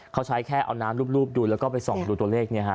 เขาใช้แค่เอาน้ำรูปดูแล้วก็ไปส่องดูตัวเลข